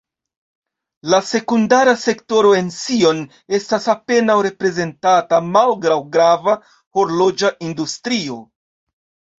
La sekundara sektoro en Sion estas apenaŭ reprezentata malgraŭ grava horloĝa industrio.